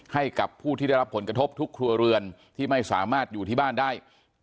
ให้กับผู้ที่ได้รับผลกระทบทุกครัวเรือนที่ไม่สามารถอยู่ที่บ้านได้